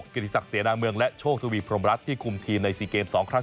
กฤทธิศักดิ์เศรษฐ์เศร้าเมืองและโชคทวีพรหมรัฐที่คุมทีมใน๔เกม๒ครั้ง